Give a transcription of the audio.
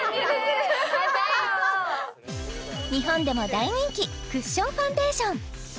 日本でも大人気クッションファンデーション